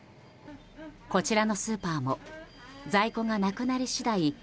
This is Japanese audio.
こちらのスーパーも在庫がなくなり次第